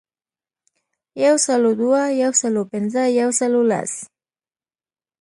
یو سلو دوه، یو سلو پنځه ،یو سلو لس .